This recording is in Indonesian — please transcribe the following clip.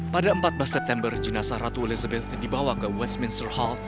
pada empat belas september jenazah ratu elizabeth dibawa ke westminster hall